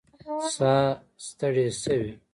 ساه ستړې شوې